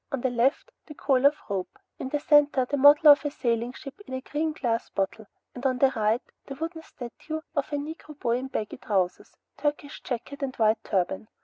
On the left, the coil of rope; in the center, the model of a sailing ship in a green glass bottle, and on the right, the wooden statue of a Negro boy in baggy trousers, Turkish jacket, and white turban.